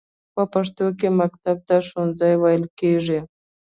په پښتو کې مکتب ته ښوونځی ویل کیږی.